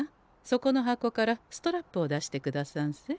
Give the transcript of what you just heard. そこの箱からストラップを出してくださんせ。